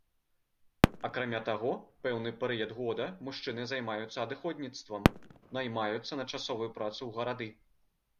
Акрамя таго, пэўны перыяд года мужчыны займаюцца адыходніцтвам, наймаюцца на часовую працу ў гарады.